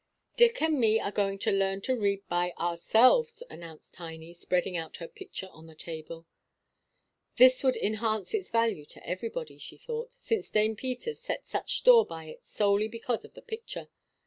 "Dick and me are going to learn to read by ourselves," announced Tiny, spreading out her picture on the table. This would enhance its value to everybody, she thought, since Dame Peters set such store by it solely because of the picture.